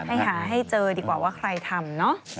ให้หาให้เจอดีกว่าว่าใครทำเนอะ